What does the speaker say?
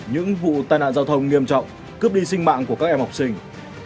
những vụ tai nạn giao thông nghiêm trọng cướp đi sinh mạng của các em học sinh